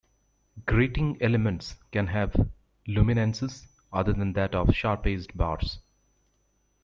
Grating elements can have luminances other than that of sharp-edged bars.